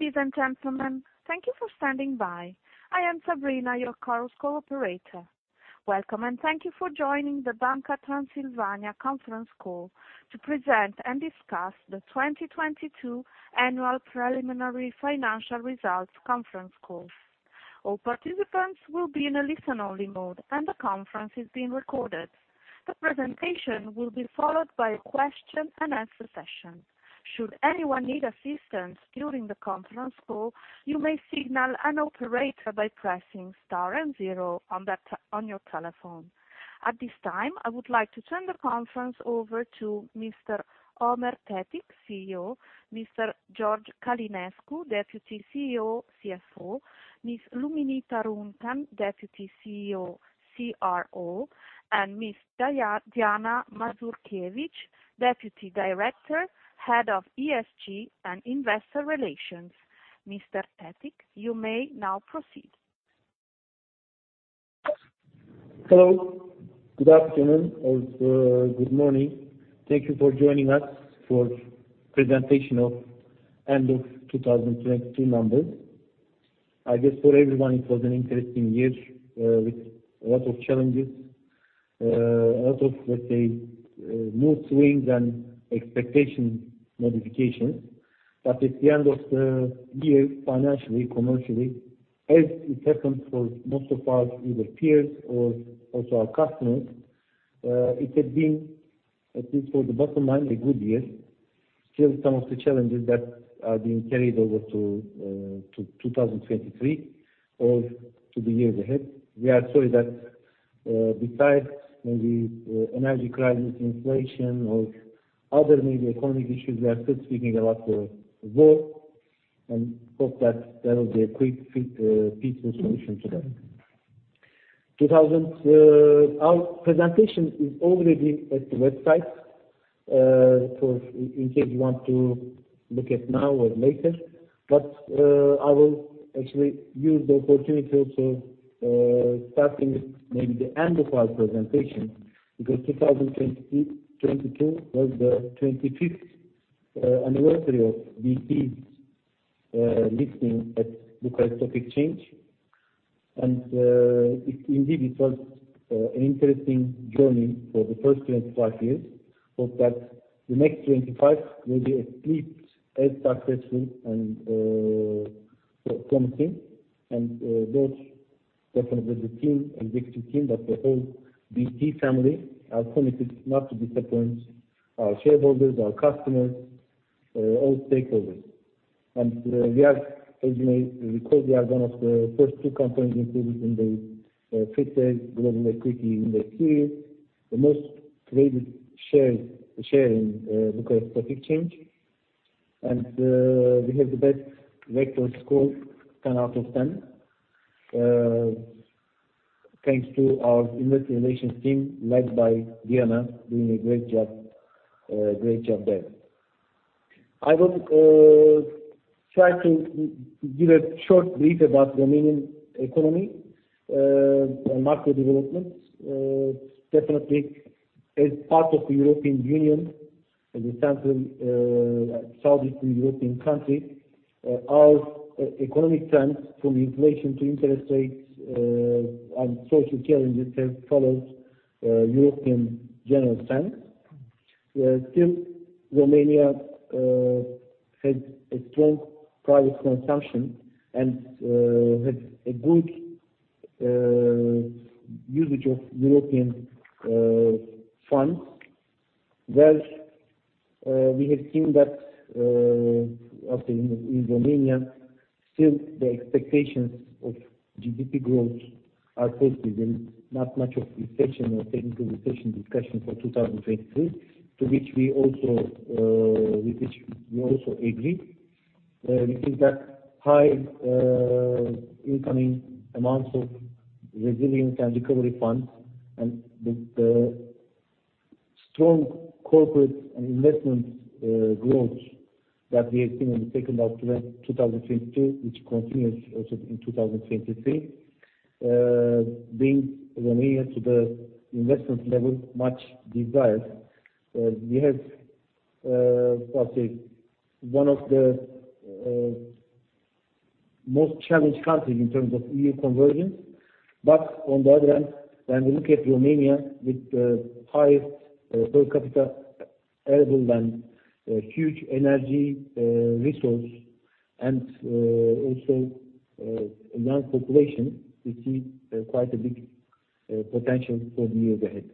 Ladies and gentlemen, thank you for standing by. I am Sabrina, your chorus operator. Welcome and thank you for joining the Banca Transilvania conference call to present and discuss the 2022 annual preliminary financial results conference call. All participants will be in a listen-only mode and the conference is being recorded. The presentation will be followed by a question-and-answer session. Should anyone need assistance during the conference call, you may signal an operator by pressing star and 0 on your telephone. At this time, I would like to turn the conference over to Mr. Ömer Tetik, CEO, Mr. George Călinescu, Deputy CEO, CFO, Ms. Luminița Runcan, Deputy CEO, CRO, and Ms. Diana Mazurchievici, Deputy Director, Head of ESG and Investor Relations. Mr. Tetik, you may now proceed. Hello, good afternoon or good morning. Thank you for joining us for presentation of end of 2022 numbers. I guess for everyone it was an interesting year with a lot of challenges. A lot of, let's say, mood swings and expectation modifications. At the end of the year, financially, commercially, as it happened for most of our either peers or also our customers, it had been, I think for the bottom line, a good year. Still some of the challenges that are being carried over to 2023 or to the years ahead. We are sorry that, besides maybe, energy crisis, inflation or other maybe economic issues, we are still speaking a lot war and hope that there will be a quick, peaceful solution to that. Two thousand... Our presentation is already at the website, for in case you want to look at now or later. I will actually use the opportunity to starting maybe the end of our presentation because 2023, 2022 was the 25th anniversary of BT's listing at the Bucharest Stock Exchange. It indeed it was an interesting journey for the first 25 years. Hope that the next 25 will be at least as successful and promising. Both definitely the team, executive team, but the whole BT family are committed not to disappoint our shareholders, our customers, all stakeholders. We are, as you may recall, we are one of the first two companies included in the FTSE Global Equity Index Series. The most traded shares, share in Bucharest Stock Exchange. We have the best VEKTOR Score, 10 out of 10, thanks to our investor relations team led by Diana, doing a great job there. I will try to give a short brief about Romanian economy and market developments. Definitely as part of the European Union, as a central, southeastern European country, our economic trends from inflation to interest rates and social challenges have followed European general trends. Still Romania had a strong private consumption and had a good usage of European funds. Well, we have seen that after in Romania, still the expectations of GDP growth are positive and not much of recession or technical recession discussion for 2023. To which we also, with which we also agree, we think that high incoming amounts of resilience and recovery funds and the strong corporate and investment growth that we have seen in the second half of 2022, which continues also in 2023, brings Romania to the investment level much desired. We have, let's say, one of the most challenged countries in terms of EU convergence. On the other hand, when we look at Romania with the high per capita arable land, huge energy resource and also a young population, we see quite a big potential for the years ahead,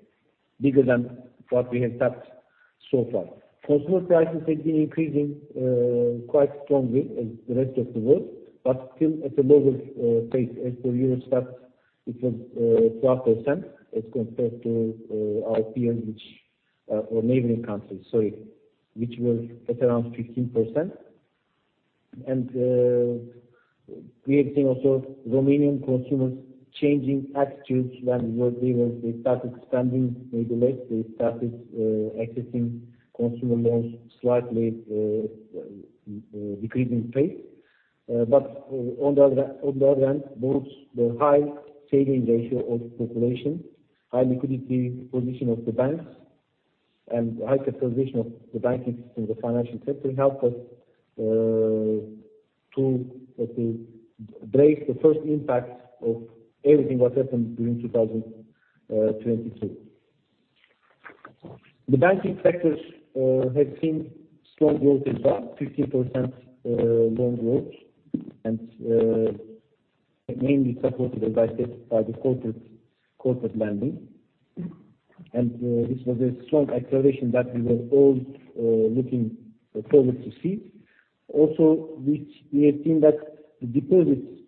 bigger than what we have tapped so far. Consumer prices have been increasing quite strongly as the rest of the world, but still at a lower pace. As per Eurostat, it was 12% as compared to our peers or neighboring countries, sorry, which were at around 15%. We have seen also Romanian consumers changing attitudes when they started spending maybe less, they started accessing consumer loans, slightly decreasing pace. On the other hand, both the high savings ratio of population, high liquidity position of the banks and high stabilization of the banking system in the financial sector helped us to, let's say, break the first impact of everything what happened during 2022. The banking sectors have seen strong growth as well, 15% loan growth and mainly supported, as I said, by the corporate lending. This was a strong acceleration that we were all looking forward to see. We have seen that the deposits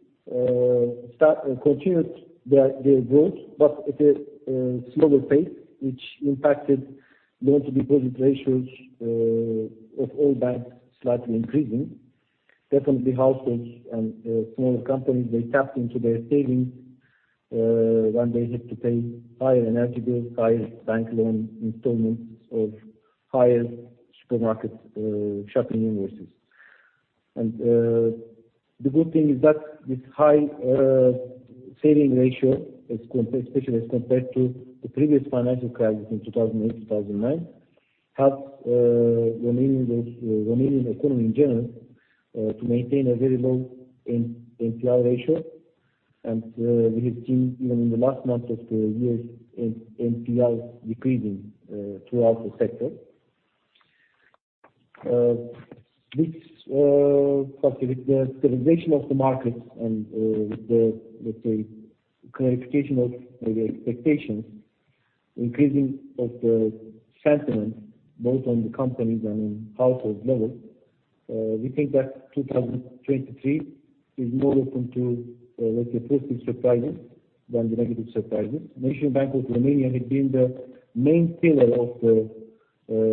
continued their growth, but at a slower pace, which impacted Loan-to-Deposit ratios of all banks slightly increasing. Definitely households and smaller companies, they tapped into their savings when they had to pay higher energy bills, higher bank loan installments of higher supermarket shopping invoices. The good thing is that this high saving ratio is compared, especially as compared to the previous financial crisis in 2008, 2009, helped Romanian economy in general to maintain a very low NPL ratio. We have seen even in the last months of the year NPL decreasing throughout the sector. This, how to say? The stabilization of the markets and, the, let's say, clarification of the expectations, increasing of the sentiment both on the companies and in household level, we think that 2023 is more open to, let's say, positive surprises than the negative surprises. National Bank of Romania has been the main pillar of the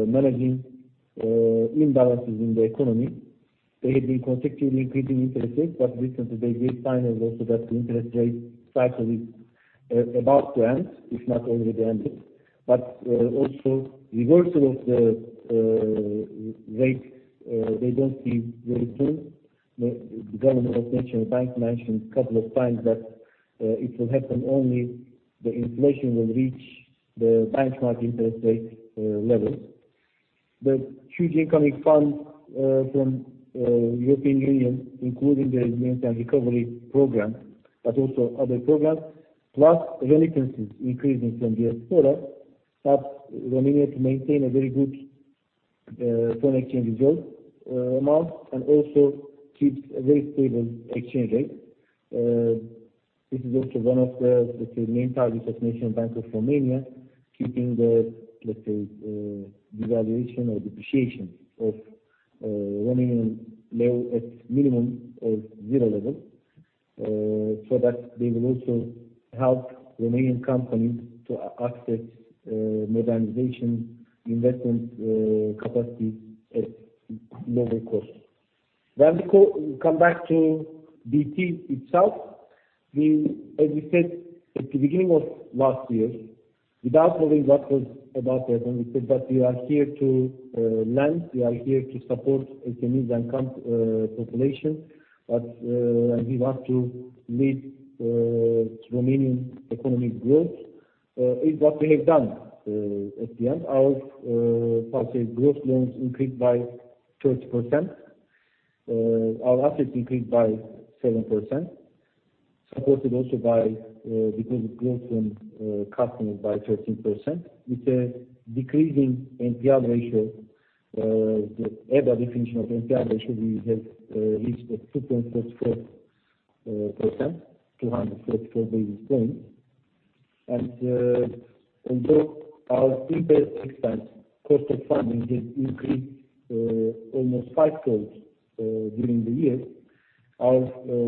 managing imbalances in the economy. They have been consecutively increasing interest rates, recently they gave signals also that the interest rate cycle is about to end, if not already ended. Also reversal of the rate, they don't see very soon. The governor of National Bank mentioned couple of times that it will happen only the inflation will reach the benchmark interest rate level. The huge incoming funds from European Union, including the maintenance and recovery program, but also other programs, plus remittances increasing from the diaspora, helped Romania to maintain a very good foreign exchange reserve amount and also keep a very stable exchange rate. This is also one of the, let's say, main targets of National Bank of Romania, keeping the, let's say, devaluation or depreciation of Romanian leu at minimum of zero level, so that they will also help Romanian companies to access modernization investment capacity at lower cost. When we come back to BT itself, we, as we said at the beginning of last year, without knowing what was about to happen, we said that we are here to lend, we are here to support SMEs and population, and we want to lead Romanian economic growth, is what we have done at the end. Our, how to say? Growth loans increased by 30%. Our assets increased by 7%, supported also by deposit growth from customers by 13%. With a decreasing NPL ratio, the EBA definition of NPL ratio, we have reached at 2.34%, 234 basis points. Although our interest expense, cost of funding has increased almost 5x during the year, our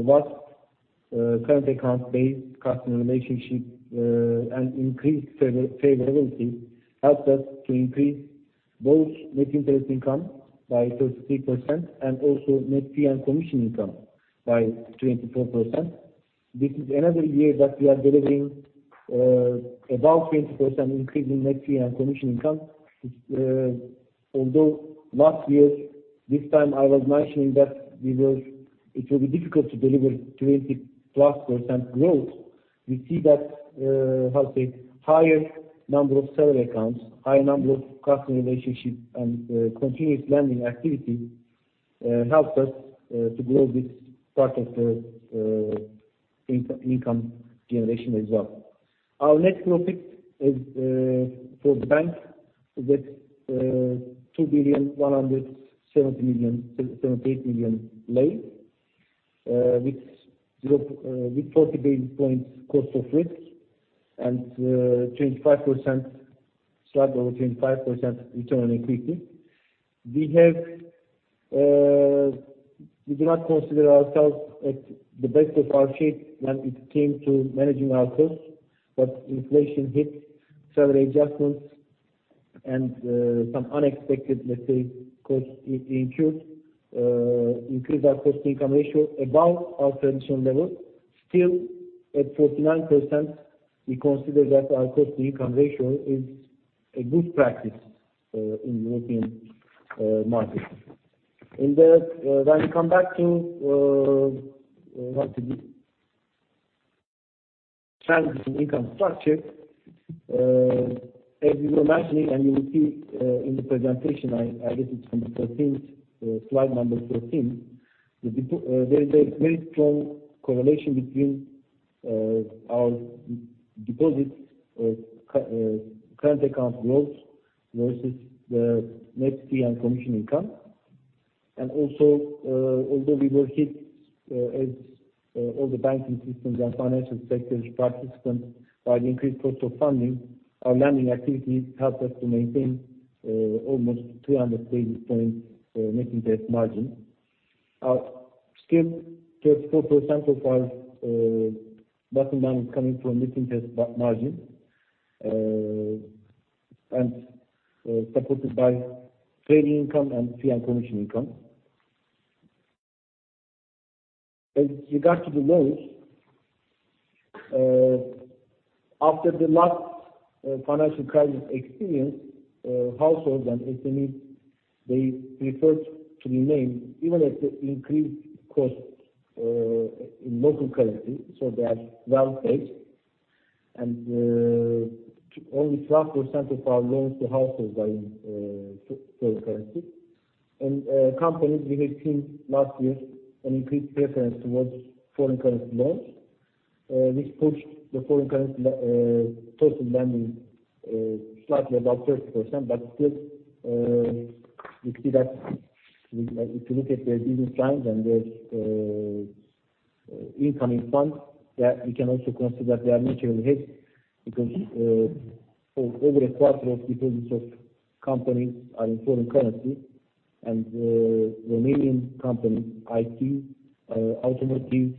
vast current account base customer relationship and increased saver-savability helped us to increase both Net Interest Income by 33% and also Net Fee and Commission Income by 24%. This is another year that we are delivering about 20% increase in Net Fee and Commission Income. Although last year, this time I was mentioning that it will be difficult to deliver 20+% growth, we see that, how to say? Higher number of salary accounts, high number of customer relationships and continuous lending activity helped us to grow this part of the income generation as well. Our net profit is for the bank with RON 2.178 billion, with 40 basis points cost of risk and slight over 25% return on equity. We have, we do not consider ourselves at the best of our shape when it came to managing our costs, but inflation hits salary adjustments and some unexpected, let's say, costs incurred, increased our cost-income ratio above our traditional level. Still, at 49%, we consider that our cost-income ratio is a good practice in European markets. When we come back to, how to say? transition income structure, as you imagine and you will see in the presentation, I guess it's on the 13th, slide number 13. There's a very strong correlation between our deposits, current accounts growth versus the Net Fee and Commission Income. Although we were hit as all the banking systems and financial sectors participants by an increased cost of funding, our lending activities helped us to maintain almost 200 basis points net interest margin. Our scale, 34% of our bottom line is coming from Net Interest Margin, and supported by trading income and fee and commission income. As regards to the loans, after the last financial crisis experience, households and SMEs, they preferred to remain even at the increased cost in local currency, so they are well paid. Only 12% of our loans to households are in foreign currency. Companies we have seen last year an increased preference towards foreign currency loans, which pushed the foreign currency portion lending slightly above 30%. Still, we see that if you look at the business trends and the incoming funds, yeah, we can also consider that they are naturally hedged because over a quarter of deposits of companies are in foreign currency. Romanian companies, IT, automotive,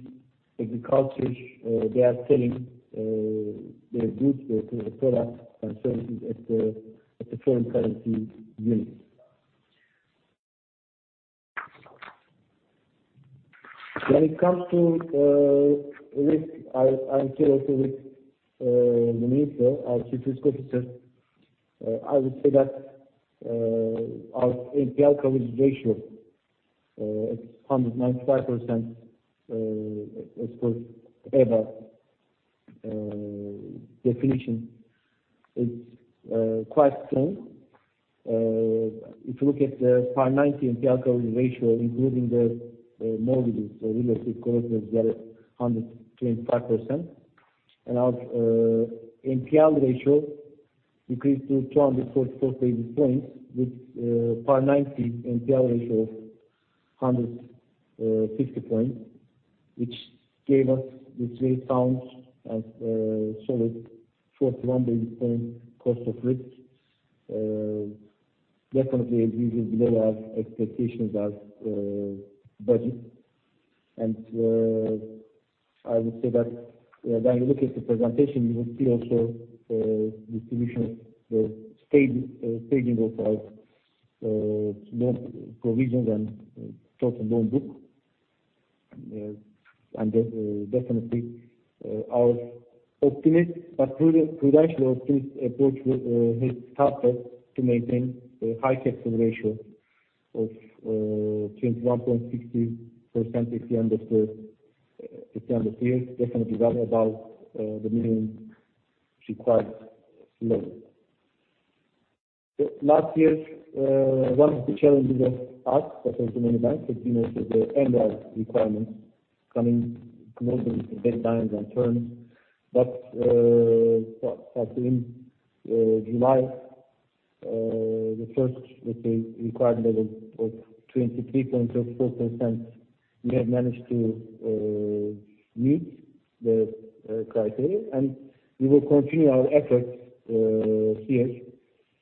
agriculture, they are selling their goods, their products and services at the foreign currency unit. When it comes to risk, I'm here also with Luminiţa, our Chief Risk Officer. I would say that our NPL coverage ratio is 195% as per EBA definition. It's quite strong. If you look at the par ninety NPL coverage ratio including the mortgages, the real estate loans, we are at 125%. Our NPL ratio increased to 244 basis points, with par ninety NPL ratio of 150 points, which gave us, which sounds as a solid 41 basis point cost of risk. Definitely it is below our expectations as budget. I would say that when you look at the presentation, you will see also distribution of the stage, staging of our loan provisions and total loan book. Definitely, our optimist but prudent, prudential approach has helped us to maintain a high capital ratio of 21.60% at the end of the year, definitely well above the minimum required level. Last year, one of the challenges of us, but also many banks, has been the MREL requirements coming to mostly deadlines and terms. In July, the first, let's say, requirement level of 23.34%, we have managed to meet the criteria. We will continue our efforts this year.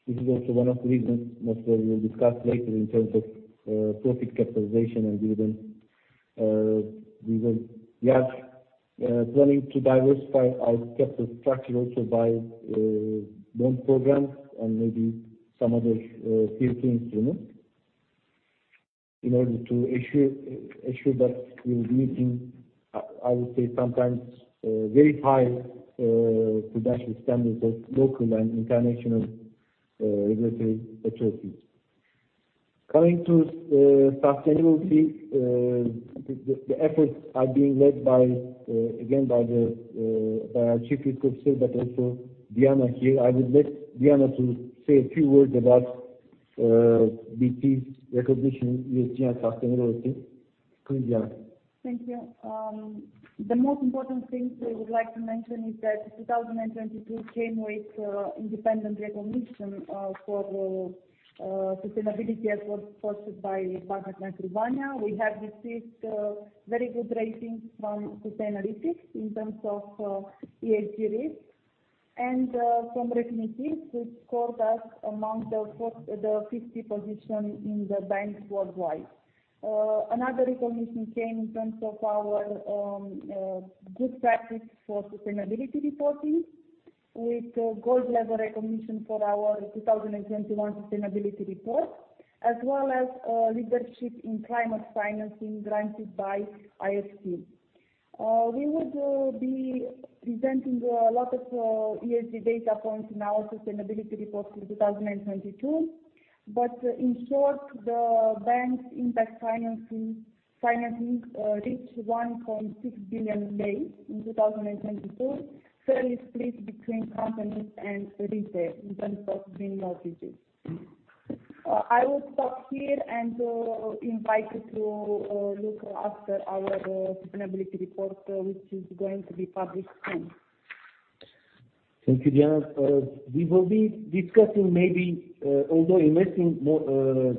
This is also one of the reasons that we will discuss later in terms of profit capitalization and dividend. We are planning to diversify our capital structure also by loan programs and maybe some other FTSE instruments in order to ensure that we will be meeting, I would say, sometimes, very high prudential standards of local and international regulatory authorities. Coming to sustainability, the efforts are being led by again, by our Chief Risk Officer, but also Diana here. I would let Diana to say a few words about BT's recognition with sustainability. Go on, Diana. Thank you. The most important thing we would like to mention is that 2022 came with independent recognition for sustainability efforts fostered by Banca Transilvania. We have received very good ratings from Sustainalytics in terms of ESG risks. From Refinitiv, which scored us among the 50 position in the banks worldwide. Another recognition came in terms of our good practice for sustainability reporting with gold-level recognition for our 2021 Sustainability Report, as well as leadership in climate financing granted by IFC. We would be presenting a lot of ESG data points in our sustainability report in 2022. In short, the bank's impact financing reached RON 1.6 billion in 2022, fairly split between companies and retail in terms of green mortgages. I will stop here and invite you to look after our sustainability report, which is going to be published soon. Thank you, Diana. We will be discussing maybe, although investing more,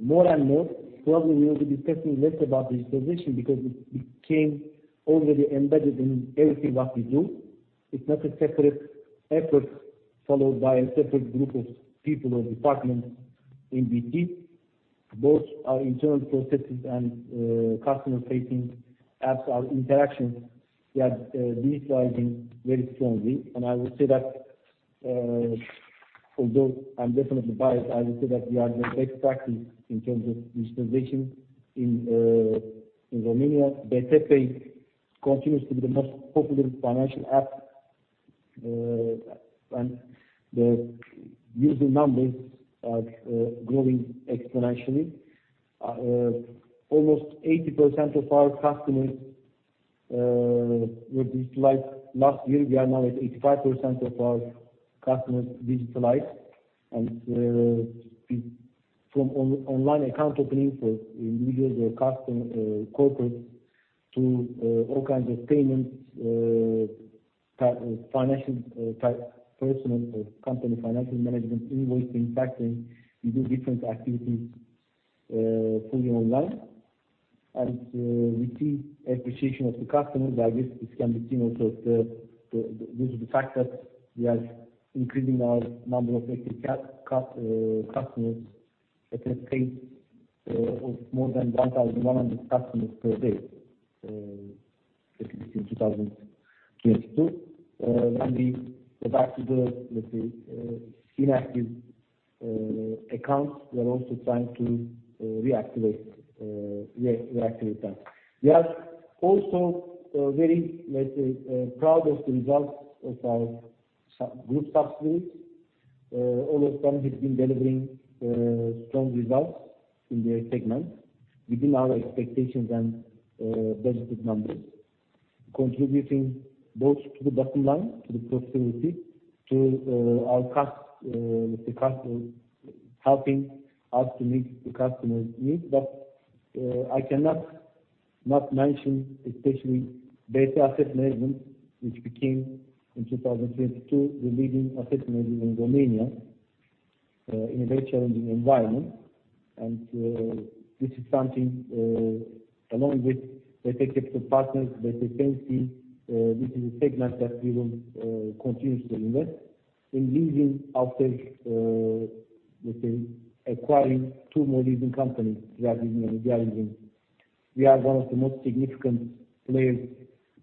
more and more, probably we will be discussing less about digitalization because it became already embedded in everything what we do. It's not a separate effort followed by a separate group of people or departments in BT. Both our internal processes and customer-facing apps, our interactions, we are digitalizing very strongly. I would say that, although I'm definitely biased, I would say that we are the best practice in terms of digitalization in Romania. BT Pay continues to be the most popular financial app, the user numbers are growing exponentially. Almost 80% of our customers were digitalized last year. We are now at 85% of our customers digitalized. From online account openings for individuals or corporates to all kinds of payments, financial type, personal or company financial management, invoicing, factoring. We do different activities, fully online. We see appreciation of the customers. I guess this can be seen also as due to the fact that we are increasing our number of active customers at a pace of more than 1,100 customers per day, especially in 2022. When we go back to the, let's say, inactive accounts, we are also trying to reactivate that. We are also very, let's say, proud of the results of our group subsidiaries. All of them have been delivering strong results in their segments within our expectations and budgeted numbers, contributing both to the bottom line, to the profitability, to our let's say, customers, helping us to meet the customer's needs. I cannot not mention, especially BT Asset Management, which became, in 2022, the leading asset manager in Romania in a very challenging environment. This is something along with BT Capital Partners, BT Pensii, this is a segment that we will continue to invest. In leasing, after let's say, acquiring two more leasing companies, leasing and Idea Leasing, we are one of the most significant players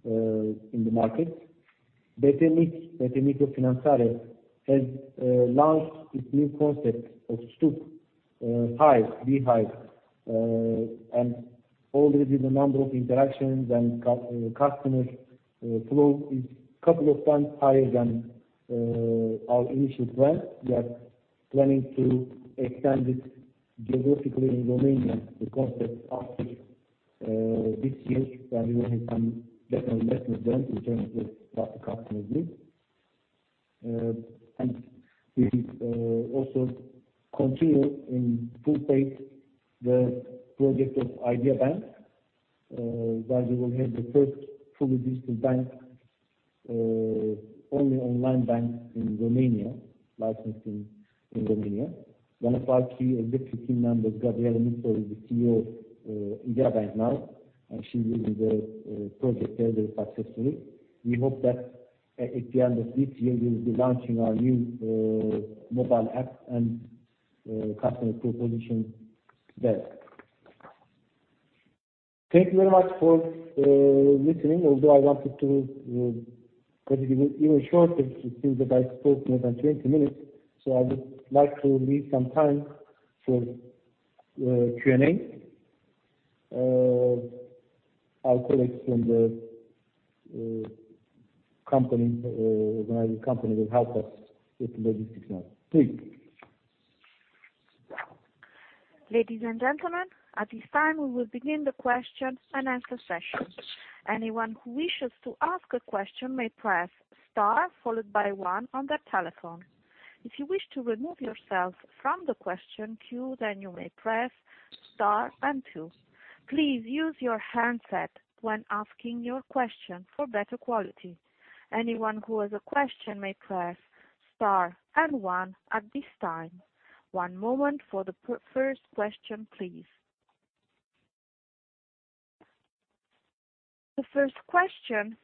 in the market. BT Mic, BT Microfinantare, has launched its new concept of Stup, hive, beehive, and already the number of interactions and customers flow is couple of times higher than our initial plans. We are planning to extend it geographically in Romania, the concept after this year when we will have some better and better weather in terms of what the customers need. We also continue in full pace the project of Idea Bank, where we will have the first fully digital bank, only online bank in Romania, licensed in Romania. One of our key executive team members, Gabriela Nistor, is the CEO of Idea Bank now, and she's leading the project there very successfully. We hope that at the end of this year, we'll be launching our new mobile app and customer proposition there. Thank you very much for listening. Although I wanted to cut it even shorter, it seems that I spoke more than 20 minutes, so I would like to leave some time for Q&A. Our colleagues from the company organizing company will help us with logistics now. Please. Ladies and gentlemen, at this time, we will begin the question and answer session. Anyone who wishes to ask a question may press star followed by one on their telephone. If you wish to remove yourself from the question queue, you may press star and two. Please use your handset when asking your question for better quality. Anyone who has a question may press star and one at this time. One moment for the first question, please. The first question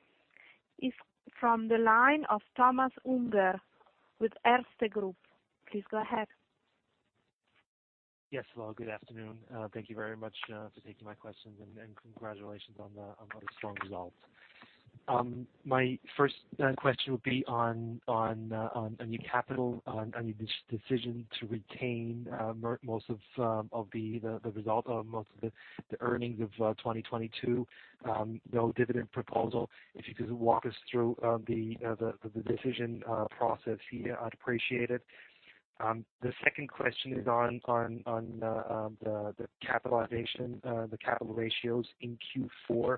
is from the line of Thomas Unger with Erste Group. Please go ahead. Yes. Hello, good afternoon. Thank you very much for taking my questions and congratulations on the strong results. My first question would be on your capital, on your decision to retain most of the result of the earnings of 2022, no dividend proposal. If you could walk us through the decision process here, I'd appreciate it. The second question is on the capitalization, the capital ratios in Q4,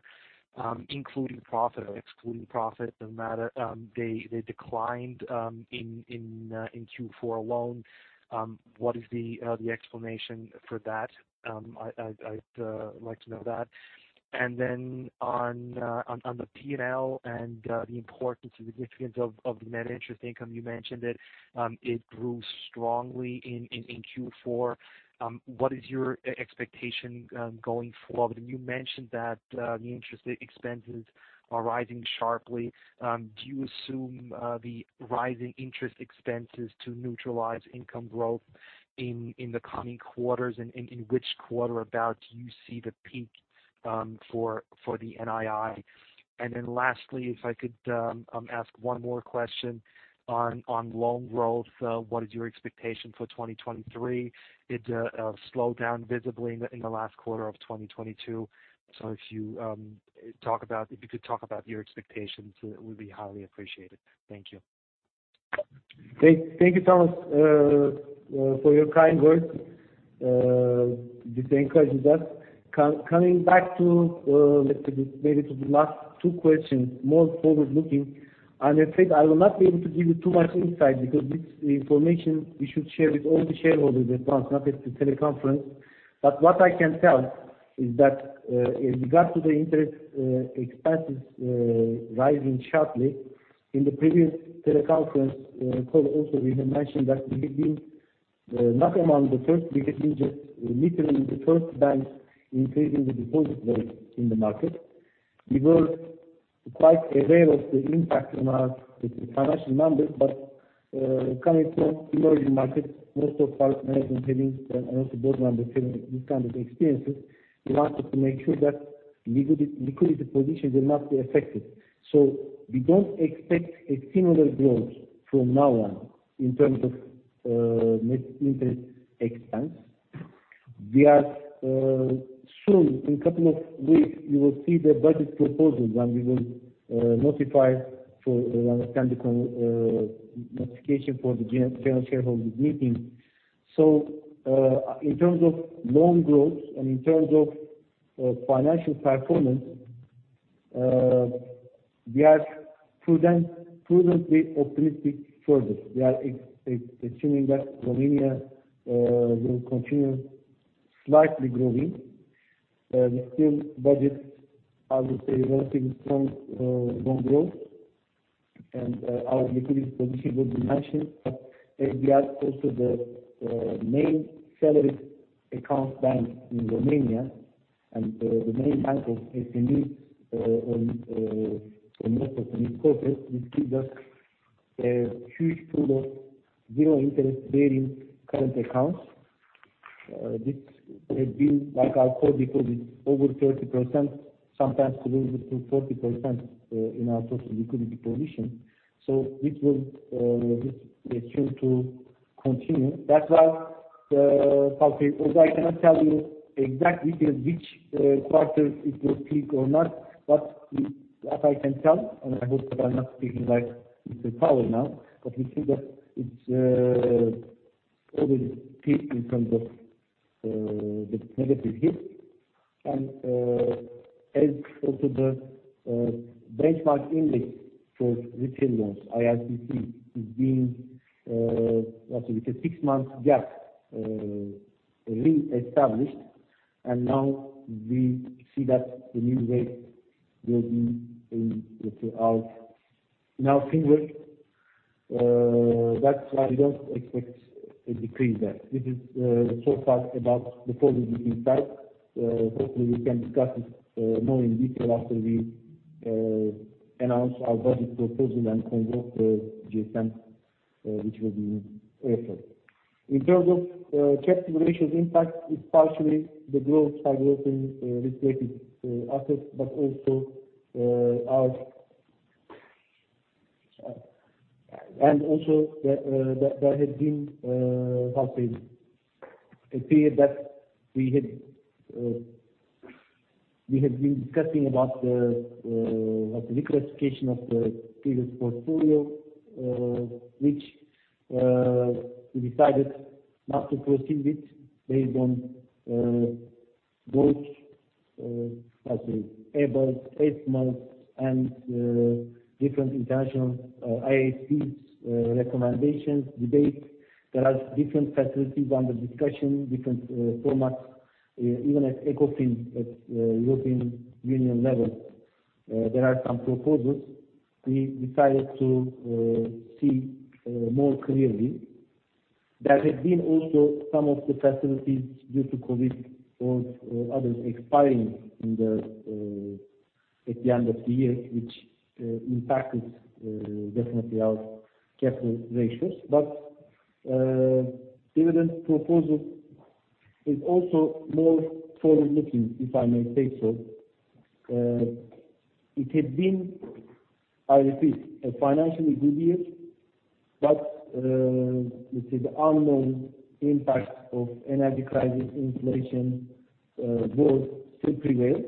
including profit or excluding profit, doesn't matter. They declined in Q4 alone. What is the explanation for that? I'd like to know that. On the P&L and the importance and significance of the Net Interest Income, you mentioned it grew strongly in Q4. What is your expectation going forward? I mean, you mentioned that the interest expenses are rising sharply. Do you assume the rising interest expenses to neutralize income growth in the coming quarters, and in which quarter about you see the peak for the NII? Lastly, if I could ask one more question on loan growth. What is your expectation for 2023? It slowed down visibly in the last quarter of 2022. If you could talk about your expectations, it would be highly appreciated. Thank you. Thank you, Thomas, for your kind words. Just to encourage with that. Coming back to, let's say maybe to the last two questions, more forward-looking, I'm afraid I will not be able to give you too much insight because this information we should share with all the shareholders at once, not at the teleconference. What I can tell is that, in regards to the interest expenses, rising sharply, in the previous teleconference call also we had mentioned that we have been, not among the first biggest interest, literally the first banks increasing the deposit rates in the market. We were quite aware of the impact on our financial numbers. Coming from emerging markets, most of our management having, and also board members having this kind of experiences, we wanted to make sure that liquidity position will not be affected. We don't expect a similar growth from now on in terms of net interest expense. We are soon, in couple of weeks, you will see the budget proposal when we will notify for when we send the notification for the general shareholders meeting. In terms of loan growth and in terms of financial performance, we are prudently optimistic for this. We are assuming that Romania will continue slightly growing. We still budget, I would say, wanting strong loan growth and our liquidity position will be mentioned. As we are also the main salary accounts bank in Romania and the main bank of SME for most of the new corporate, we see that a huge pool of zero interest bearing current accounts. This has been, like I said before, this over 30%, sometimes close to 40%, in our total liquidity position. This will, this we assume to continue. That's why, Falpi, although I cannot tell you exactly till which quarter it will peak or not, what I can tell, and I hope that I'm not speaking like Mr. Paul now, we see that it's already peaked in terms of the negative hit. As also the benchmark index for retail loans, IRCC, is being, let's say with a 6-month gap, reestablished. Now we see that the new rate will be in, let's say, in our favor. That's why we don't expect a decrease there. This is so far about the forward-looking side. Hopefully, we can discuss it more in detail after we announce our budget proposal and conduct December, which will be later. In terms of capital ratios impact is partially the growth by growth in regulated assets, but also. Also there had been Falpi, a period that we had been discussing about the what's it? Reclassification of the previous portfolio, which we decided not to proceed with based on both how to say? ABEL, eight months and different international IPC recommendations debate. There are different facilities under discussion, different formats. Even at Ecofin, at European Union level, there are some proposals. We decided to see more clearly. There had been also some of the facilities due to COVID or others expiring in the at the end of the year, which impacted definitely our capital ratios. Dividend proposal is also more forward-looking, if I may say so. It had been, I repeat, a financially good year, but let's say the unknown impact of energy crisis, inflation, both still prevail.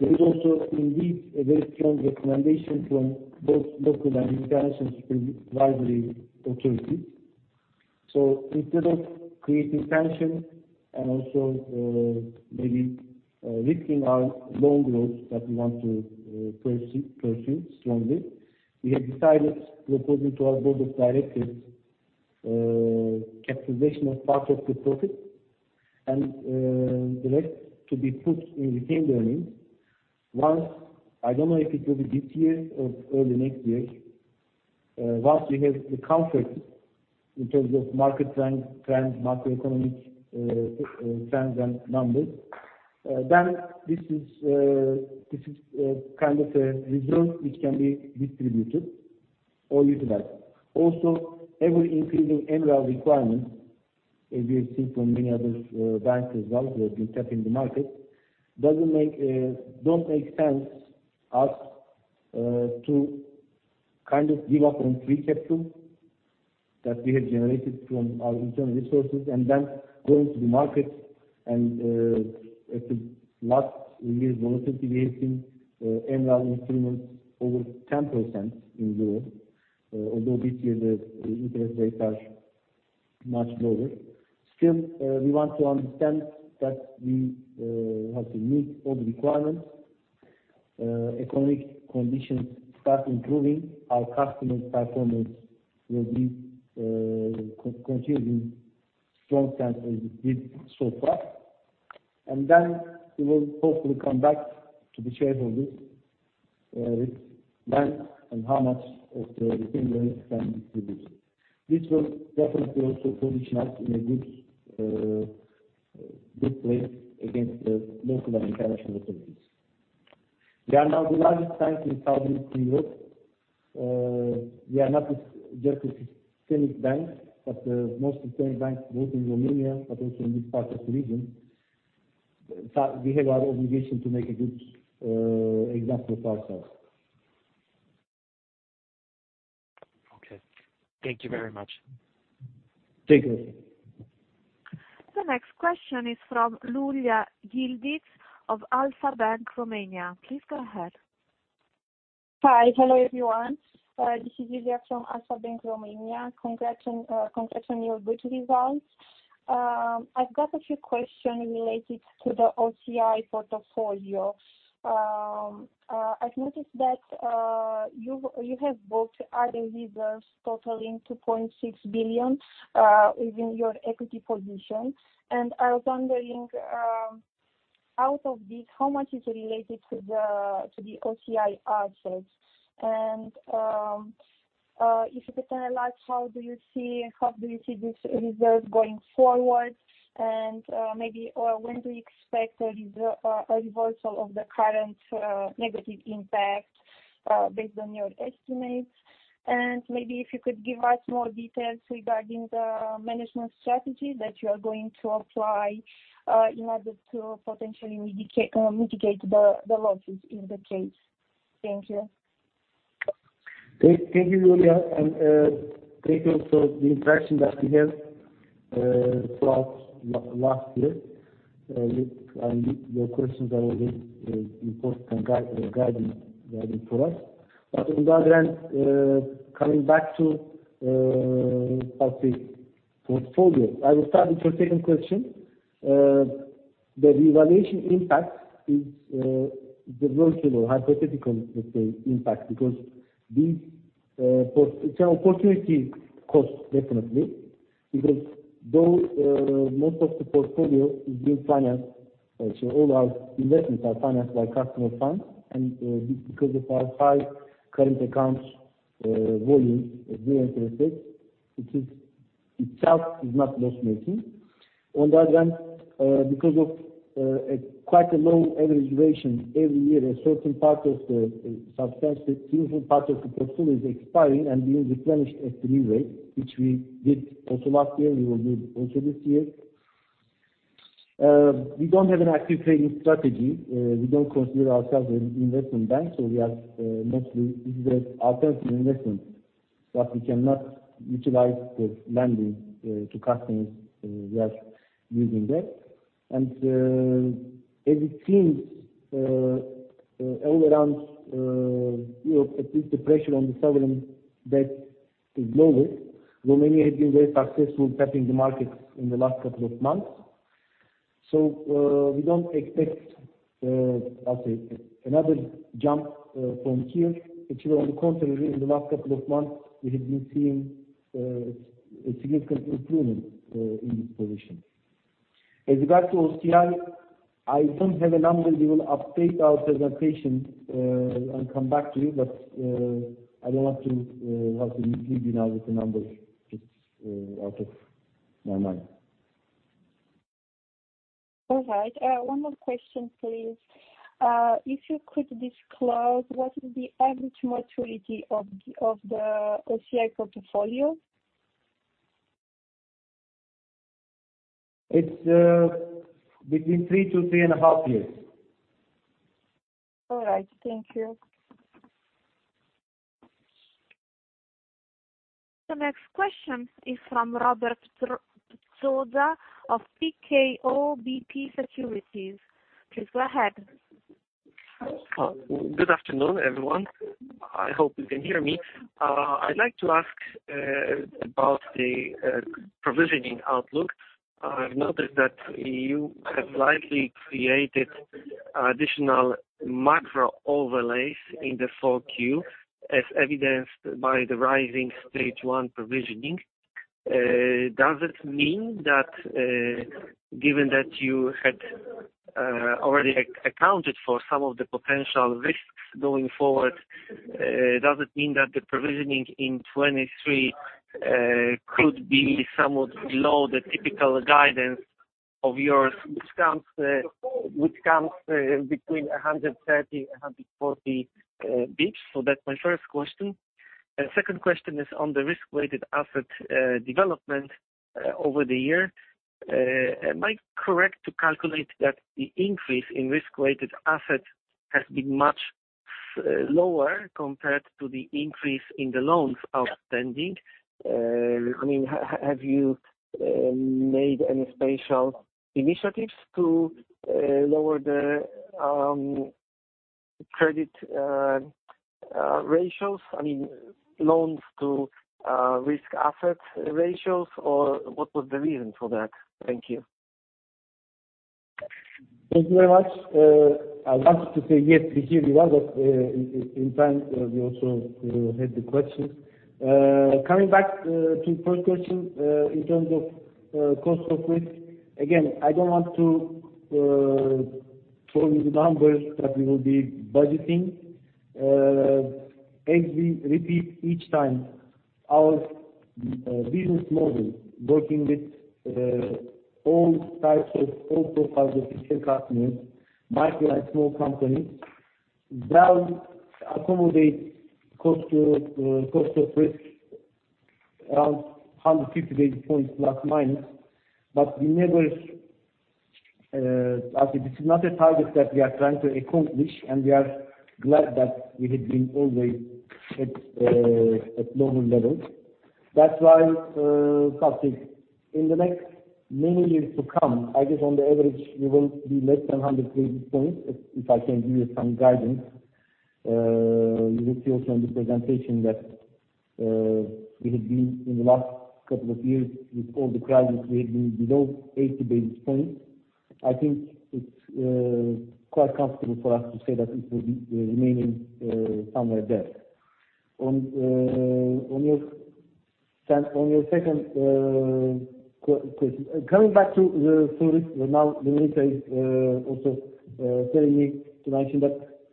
There is also indeed a very strong recommendation from both local and international supervisory authorities. Instead of creating tension and also maybe risking our loan growth that we want to pursue strongly, we have decided, reporting to our board of directors, capitalization of part of the profit and the rest to be put in retained earnings. Once, I don't know if it will be this year or early next year, once we have the comfort in terms of market trend, macroeconomic trends and numbers, then this is kind of a reserve which can be distributed or utilized. Every increasing MREL requirement, as we have seen from many other banks as well who have been tapping the market, doesn't make, don't make sense us to kind of give up on free capital that we have generated from our internal resources and then going to the market and as a last release volatility, we have seen MREL instruments over 10% in EUR, although this year the interest rates are much lower. We want to understand that we have to meet all the requirements. Economic conditions start improving. Our customer performance will be continuing strong sense as it did so far. We will hopefully come back to the shareholders with when and how much of the retained earnings can be distributed. This will definitely also position us in a good place against the local and international authorities. We are now the largest bank in Southeastern Europe. We are not just a systemic bank, but the most systemic bank both in Romania but also in this part of the region. In fact, we have our obligation to make a good example of ourselves. Okay. Thank you very much. Thank you. The next question is from Iulia Furtună of Alpha Bank Romania. Please go ahead. Hi. Hello, everyone. This is Iulia from Alpha Bank Romania. Congrats on your good results. I've got a few questions related to the OCI portfolio. I've noticed that you have booked other reserves totaling RON 2.6 billion within your equity position. I was wondering, out of this, how much is related to the OCI assets? If you could analyze how do you see this result going forward? Maybe or when do you expect a reversal of the current negative impact based on your estimates? Maybe if you could give us more details regarding the management strategy that you are going to apply in order to potentially mitigate the losses in the case. Thank you. Thank you, Iulia. Thank you for the interaction that we had throughout last year. Your questions are always important guiding for us. On the other hand, coming back to how to say, portfolio. I will start with your second question. The revaluation impact is the virtual or hypothetical, let's say, impact. This. It's an opportunity cost definitely because though most of the portfolio is being financed. All our investments are financed by customer funds, and because of our high current accounts volume, as we are interested, it is itself is not loss-making. On the other hand, because of a quite a low average duration, every year a certain part of the substantive, significant part of the portfolio is expiring and being replenished at the new rate, which we did also last year, we will do also this year. We don't have an active trading strategy. We don't consider ourselves an investment bank, so we are mostly this is alternative investment that we cannot utilize the lending to customers. We are using that. As it seems all around Europe at least the pressure on the sovereign debt is lower. Romania has been very successful tapping the markets in the last couple of months. We don't expect how to say, another jump from here. Actually on the contrary, in the last couple of months we have been seeing, a significant improvement, in this position. As regards to OCI, I don't have a number. We will update our presentation, and come back to you. I don't want to, how to say, leave you now with a number. It's out of my mind. All right. One more question, please. If you could disclose what is the average maturity of the OCI portfolio? It's between three to three and a half years. All right. Thank you. The next question is from Robert Redeleanu of PKO BP Securities. Please go ahead. Good afternoon, everyone. I hope you can hear me. I'd like to ask about the provisioning outlook. I've noted that you have likely created additional macro overlays in Q4, as evidenced by the rising Stage 1 provisioning. Does it mean that, given that you had already accounted for some of the potential risks going forward, does it mean that the provisioning in 2023 could be somewhat below the typical guidance of yours, which comes between 130-140 basis points? That's my first question. Second question is on the risk-weighted asset development over the year. Am I correct to calculate that the increase in risk-weighted assets has been much lower compared to the increase in the loans outstanding? I mean, have you made any special initiatives to lower the credit ratios, I mean, loans to risk assets ratios, or what was the reason for that? Thank you. Thank you very much. I wanted to say yes, we hear you well, but, in time we also heard the question. Coming back to your first question, in terms of cost of risk. Again, I don't want to throw you the numbers that we will be budgeting. As we repeat each time our business model working with all types of, all profiles of retail customers, micro and small companies, that accommodate cost of risk around 150 basis points plus minus. We never. I'll say this is not a target that we are trying to accomplish, and we are glad that we have been always at lower levels. That's why, I'll say in the next many years to come, I guess on the average, we will be less than 100 basis points, if I can give you some guidance. You will see also in the presentation that we have been in the last couple of years with all the crisis, we have been below 80 basis points. I think it's quite comfortable for us to say that it will be remaining somewhere there. On your second question. Coming back to the full risk now, Dimitar is also telling me to mention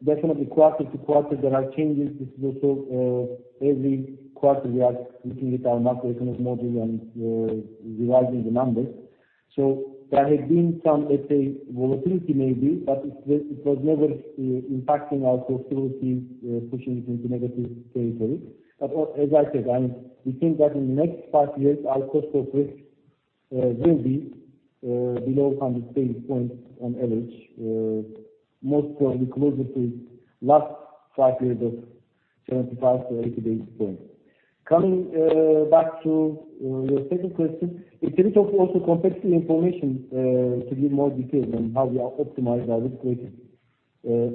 that definitely quarter to quarter there are changes. This is also every quarter we are looking at our macroeconomics model and revising the numbers. There have been some, let's say, volatility maybe, but it was never impacting our cost of risk pushing it into negative territory. As I said, we think that in the next five years, our cost of risk will be below 100 basis points on average. Most probably closer to last five years of 75-80 basis points. Coming back to your second question. It's a bit of also complexity information to give more details on how we are optimized our risk rating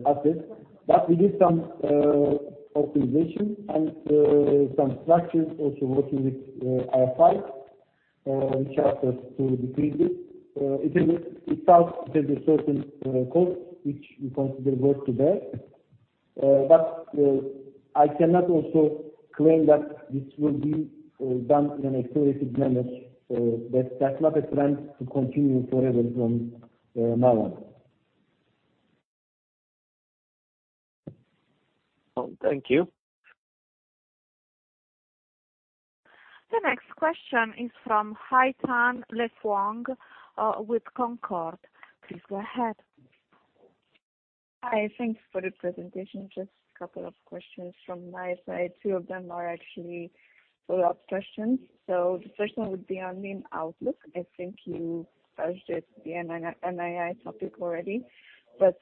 assets. We did some optimization and some structures also working with Falpi which helped us to decrease it. It has a certain cost, which we consider worth to bear. I cannot also claim that this will be done in a explosive manner, that's not a trend to continue forever from now on. Oh, thank you. The next question is from Le Phuong Hai Thanh, with Concorde Securities. Please go ahead. Hi. Thanks for the presentation. Just a couple of questions from my side. Two of them are actually follow-up questions. The first one would be on NIM outlook. I think you touched it, the NII topic already, but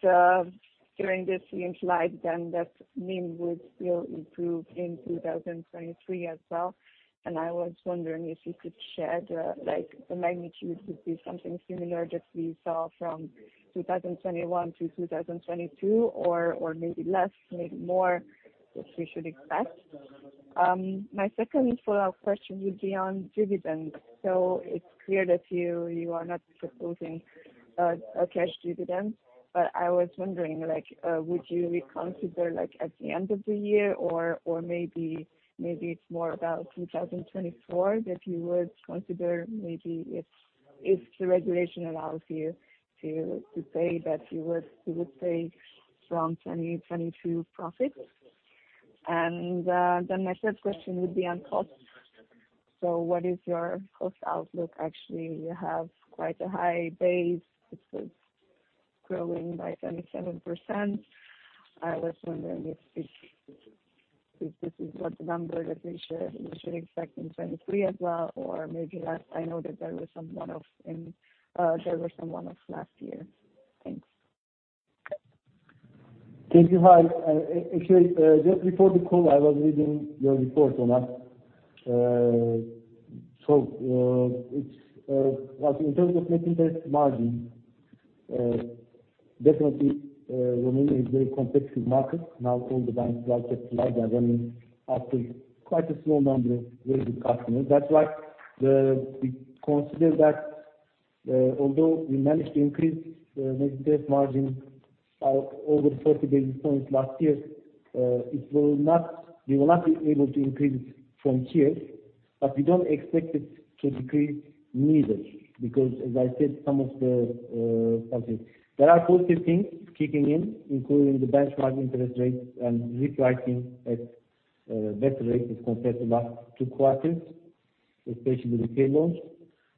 during this NIM slide then that NIM would still improve in 2023 as well. I was wondering if you could share the, like, the magnitude, would be something similar that we saw from 2021 to 2022 or maybe less, maybe more that we should expect. My second follow-up question would be on dividends. It's clear that you are not proposing a cash dividend. I was wondering, like, would you reconsider, like, at the end of the year or maybe it's more about 2024 that you would consider maybe if the regulation allows you to pay that you would pay from 2022 profits. My third question would be on costs. What is your cost outlook? Actually, you have quite a high base. It was growing by 27%. I was wondering if this is what the number that we should expect in 23 as well, or maybe less. I know that there was some one-off last year. Thanks. Thank you. Hi. Actually, just before the call, I was reading your report, Ona. In terms of net interest margin, definitely, Romania is a very competitive market. All the banks like to fly by running after quite a small number of very good customers. That's why we consider that, although we managed to increase net interest margin by over 40 basis points last year, we will not be able to increase it from here, but we don't expect it to decrease neither. As I said, some of the, how to say? There are positive things kicking in, including the benchmark interest rates and repricing at better rates as compared to last two quarters, especially with the K loans.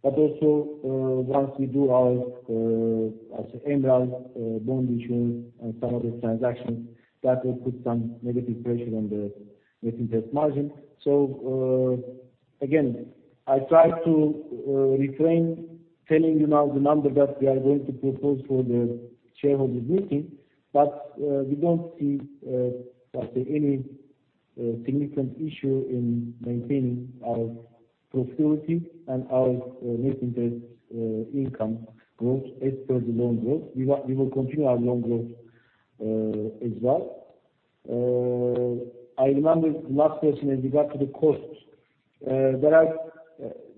Also, once we do our MREL bond issuing and some other transactions, that will put some negative pressure on the net interest margin. Again, I try to refrain telling you now the number that we are going to propose for the shareholders meeting. We don't see, let's say, any significant issue in maintaining our profitability and our net interest income growth as per the loan growth. We will continue our loan growth as well. I remember the last question is regard to the costs.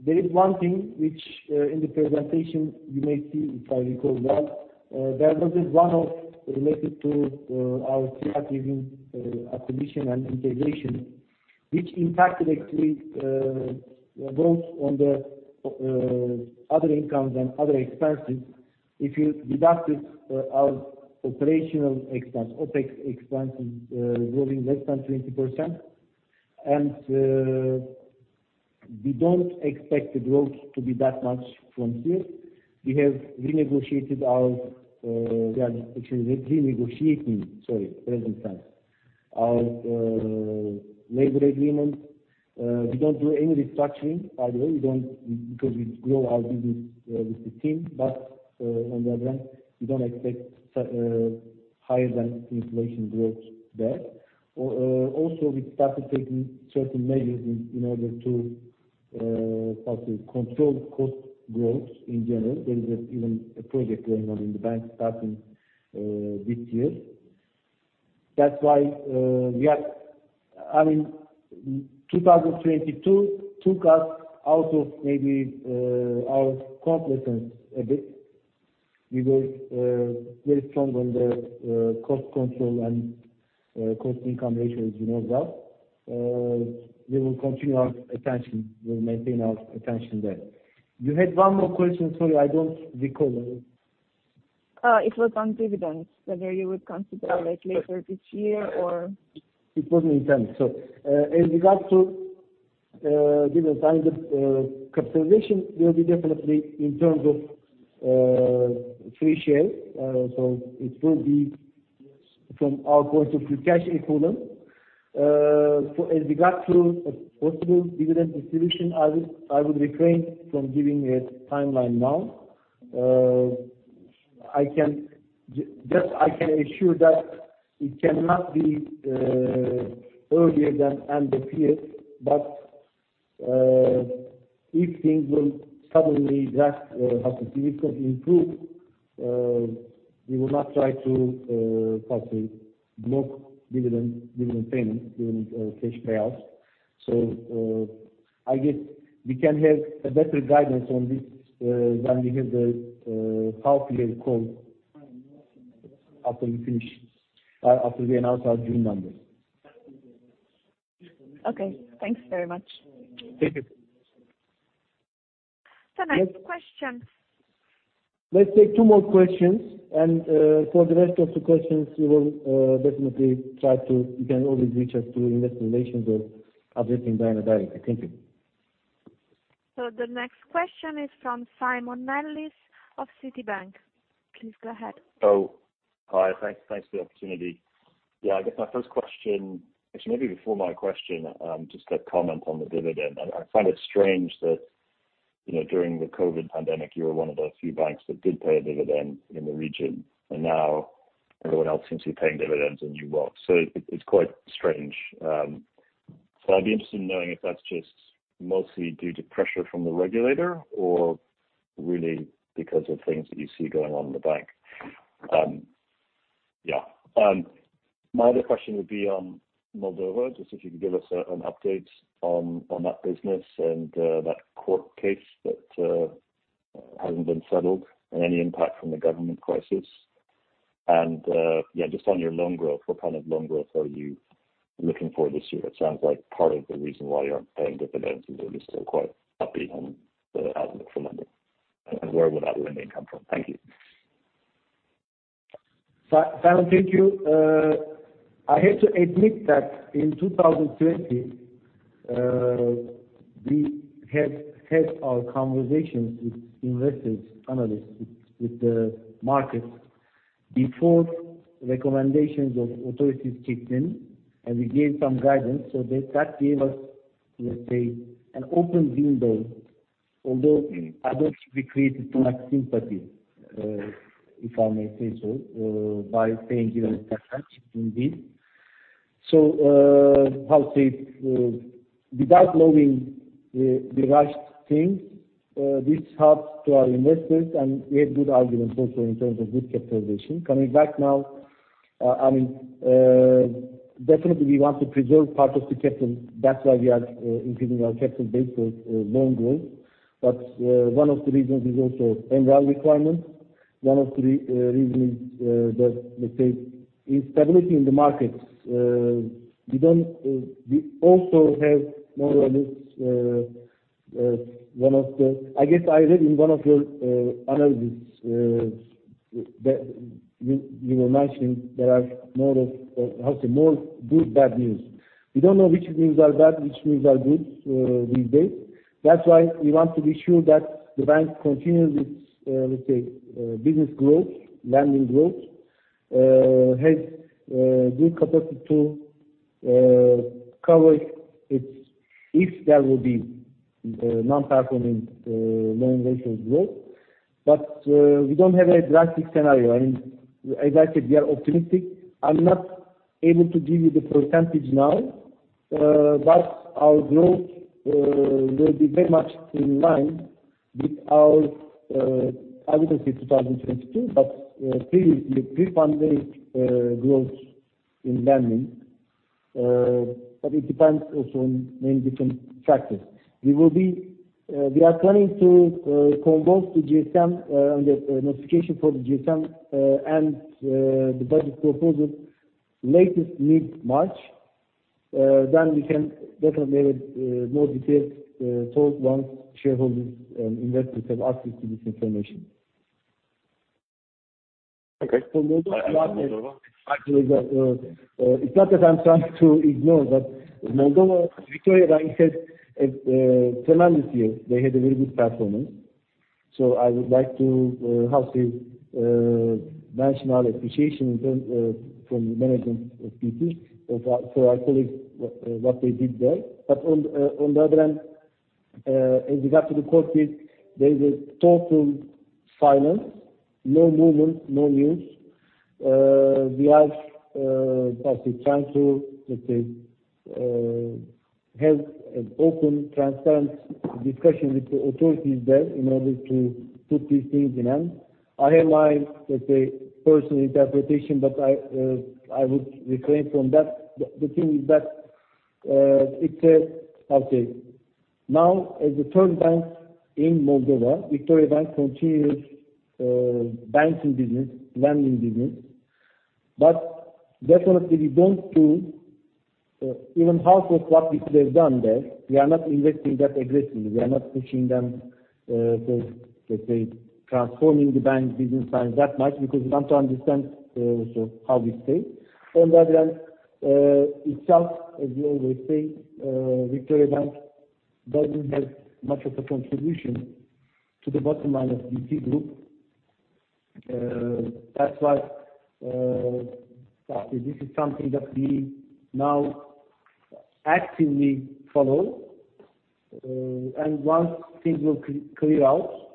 There is one thing which in the presentation you may see, if I recall well, there was this one-off related to our CR division acquisition and integration, which impacted actually both on the other incomes and other expenses. If you deducted, our operational expense, OpEx expense is growing less than 20%. We don't expect the growth to be that much from here. We have renegotiated our, we are actually renegotiating, sorry, present tense, our labor agreement. We don't do any restructuring, by the way. We don't because we grow our business with the team. On the other hand, we don't expect higher than inflation growth there. Also, we started taking certain measures in order to, how to say? Control cost growth in general. There is even a project going on in the bank starting this year. That's why we are... I mean, 2022 took us out of maybe our comfort zone a bit. We were very strong on the cost control and cost-income ratios, you know well. We will continue our attention. We'll maintain our attention there. You had one more question. Sorry, I don't recall. It was on dividends, whether you would consider that later this year? It was an intent. In regards to dividend, capitalization will be definitely in terms of free share. It will be from our point of view, cash equivalent. As regards to a possible dividend distribution, I will refrain from giving a timeline now. I can assure that it cannot be earlier than end of year. If things will suddenly just, how to say, significantly improve, we will not try to, how to say, block dividend payments during cash payouts. I guess we can have a better guidance on this when we have the half year call after we announce our June numbers. Okay. Thanks very much. Thank you. The next question. Let's take two more questions and for the rest of the questions, you can always reach out to Investor Relations or addressing Diana directly. Thank you. The next question is from Simon Nellis of Citibank. Please go ahead. Hi. Thanks, thanks for the opportunity. I guess my first question. Actually maybe before my question, just a comment on the dividend. I find it strange that, you know, during the COVID pandemic, you were one of the few banks that did pay a dividend in the region. Now everyone else seems to be paying dividends and you won't. It's quite strange. I'd be interested in knowing if that's just mostly due to pressure from the regulator or really because of things that you see going on in the bank. My other question would be on Moldova, just if you could give us an update on that business and that court case that hasn't been settled and any impact from the government crisis. Yeah, just on your loan growth, what kind of loan growth are you looking for this year? It sounds like part of the reason why you aren't paying dividends is that you're still quite upbeat on the outlook for lending. Where would that lending come from? Thank you. Simon Nellis, thank you. I have to admit that in 2020, we had our conversations with investors, analysts, with the market before recommendations of authorities kicked in and we gave some guidance. That gave us, let's say, an open window. Although I don't think we created too much sympathy, if I may say so, by saying, you know, that much indeed. How to say, without knowing the right things, this helps to our investors, and we have good arguments also in terms of good capitalization. Coming back now, I mean, definitely we want to preserve part of the capital. That's why we are increasing our capital base for loan growth. One of the reasons is also MREL requirements. One of the reasons is the, let's say, instability in the markets. We don't, we also have more or less one of the... I guess I read in one of your analysis that you were mentioning there are more of, how to say, more good-bad news. We don't know which news are bad, which news are good these days. That's why we want to be sure that the bank continues its, let's say, business growth, lending growth. Has good capacity to cover its, if there will be, non-performing loan ratios growth. But we don't have a drastic scenario. I mean, as I said, we are optimistic. I'm not able to give you the percentage now, but our growth will be very much in line with our, I wouldn't say 2022, but previously, pre-pandemic growth in lending. It depends also on many different factors. We are planning to convoke the GSM, the notification for the GSM, and the budget proposal latest mid-March. We can definitely have a more detailed talk once shareholders and investors have access to this information. Okay. For Moldova. Moldova. It's not that I'm trying to ignore, but Moldova, Victoriabank had a tremendous year. They had a very good performance. I would like to, how to say, mention our appreciation in term from management of BT of that, for our colleagues, what they did there. On the other hand, as regard to the court case, there's a total silence, no movement, no news. We are, how to say, trying to, let's say, have an open, transparent discussion with the authorities there in order to put these things in end. I have my, let's say, personal interpretation, but I would refrain from that. The thing is that, it's a, how to say, now as a third bank in Moldova, Victoriabank continues, banking business, lending business. Definitely we don't do even half of what we could have done there. We are not investing that aggressively. We are not pushing them to, let's say, transforming the bank business plan that much because we want to understand so how we stay. On the other hand, itself, as we always say, Victoriabank doesn't have much of a contribution to the bottom line of BT Group. That's why, how to say, this is something that we now actively follow. Once things will clear out,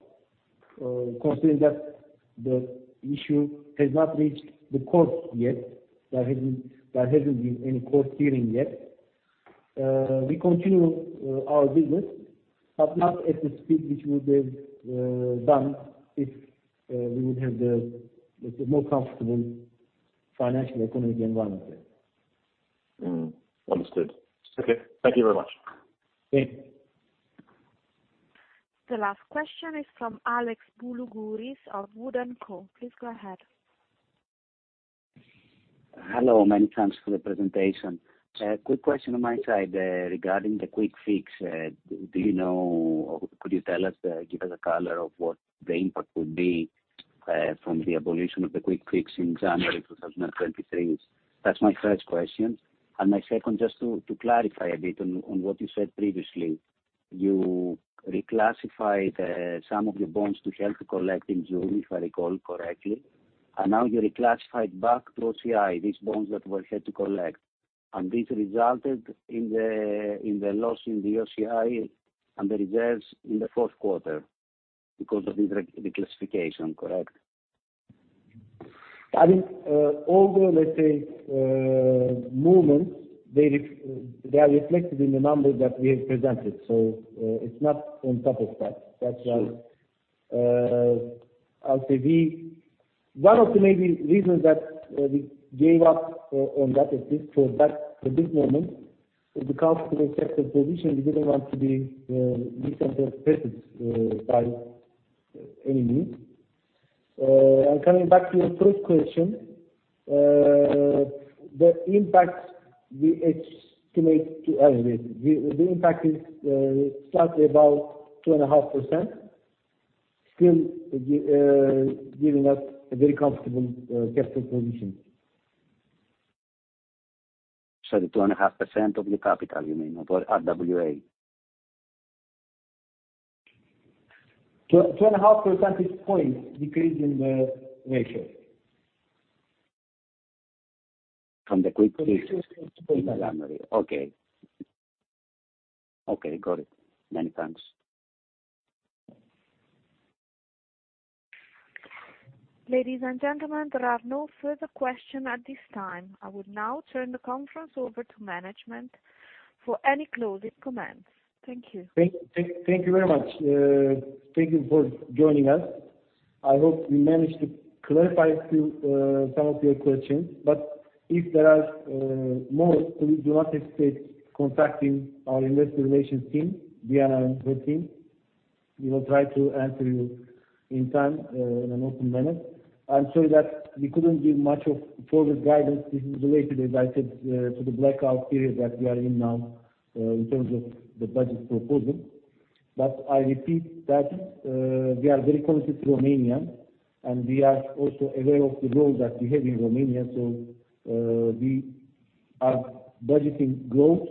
considering that the issue has not reached the courts yet. There hasn't been any court hearing yet. We continue our business, but not at the speed which we would have done if we would have the, let's say, more comfortable financial economic environment there. Understood. Okay. Thank you very much. Thank you. The last question is from Alex Boulougouris of Wood & Co. Please go ahead. Hello. Many thanks for the presentation. Quick question on my side, regarding the Quick Fix. Do you know or could you tell us, give us a color of what the impact will be from the abolition of the Quick Fix in January 2023? That's my first question. My second, just to clarify a bit on what you said previously. You reclassified some of your bonds to held to collect in June, if I recall correctly. Now you reclassified back to OCI, these bonds that were held to collect. This resulted in the loss in the OCI and the reserves in the fourth quarter because of this re-reclassification, correct? I mean, all the, let's say, movements, they are reflected in the numbers that we have presented. It's not on top of that. That's why. Sure. How to say, One of the maybe reasons that we gave up on that assist for that, for this moment, because for the capital position, we didn't want to be misinterpreted by any means. Coming back to your first question, the impact we estimate. Anyway, the impact is slightly about 2.5%, still giving us a very comfortable capital position. Sorry, 2.5% of your capital you mean or RWA? 2.5 percentage points decrease in the ratio. From the Quick Fix in January. Okay. Okay, got it. Many thanks. Ladies and gentlemen, there are no further questions at this time. I would now turn the conference over to management for any closing comments. Thank you. Thank you very much. Thank you for joining us. I hope we managed to clarify a few, some of your questions. If there are more, please do not hesitate contacting our investor relations team, Diana and her team. We will try to answer you in time, in an open manner. I'm sorry that we couldn't give much of further guidance. This is related, as I said, to the blackout period that we are in now, in terms of the budget proposal. I repeat that, we are very committed to Romania, and we are also aware of the role that we have in Romania. We are budgeting growth,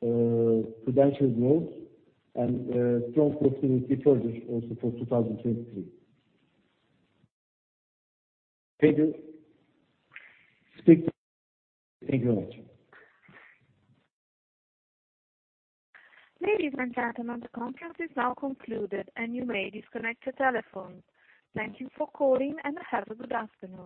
prudential growth and strong profitability further also for 2023. Thank you. Speak to you. Thank you very much. Ladies and gentlemen, the conference is now concluded, and you may disconnect your telephones. Thank you for calling, and have a good afternoon.